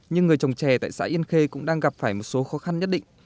nhưng người trồng trè tại xã yên khê cũng đang gặp phải một số khó khăn nhất định